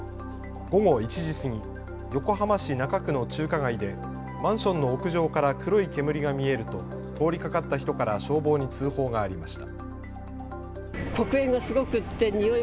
午後１時過ぎ、横浜市中区の中華街でマンションの屋上から黒い煙が見えると通りかかった人から消防に通報がありました。